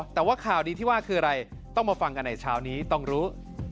แต่ว่าข่าวดีที่ว่าคืออะไรต้องมาฟังกันในเช้านี้ต้องรู้